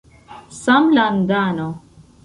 samlandano